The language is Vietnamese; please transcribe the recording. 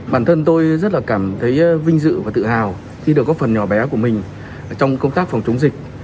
bản thân tôi rất là cảm thấy vinh dự và tự hào khi được góp phần nhỏ bé của mình trong công tác phòng chống dịch